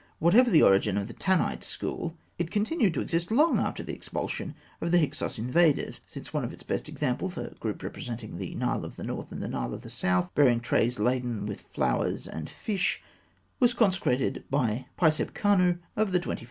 Whatever the origin of the Tanite School, it continued to exist long after the expulsion of the Hyksos invaders, since one of its best examples, a group representing the Nile of the North and the Nile of the South, bearing trays laden with flowers and fish, was consecrated by Pisebkhanû of the Twenty first Dynasty.